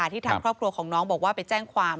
ทางครอบครัวของน้องบอกว่าไปแจ้งความ